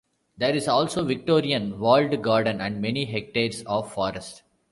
There is also Victorian walled garden and many hectares of forest.